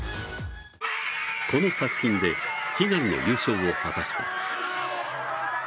この作品で悲願の優勝を果たした。